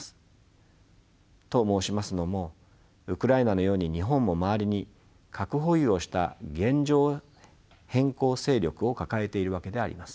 と申しますのもウクライナのように日本も周りに核保有をした現状変更勢力を抱えているわけであります。